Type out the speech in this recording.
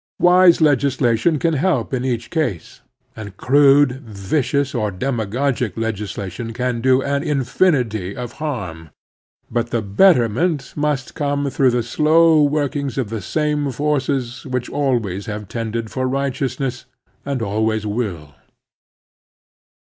Wise legislation can help in each case, and crude, vicious, or demagogic legislation can do an infinity of harm. But the betterment must come through the slow workings of the same forces which always have tended for righteousness, and always will.